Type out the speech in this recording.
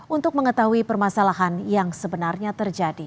untuk mengetahui permasalahan yang sebenarnya terjadi